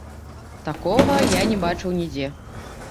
Такога я не бачыў нідзе.